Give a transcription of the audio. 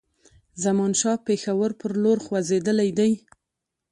زمانشاه پېښور پر لور خوځېدلی دی.